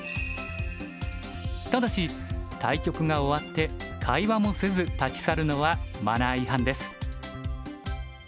ただし対局が終わって会話もせず立ち去るのはマナー違反です。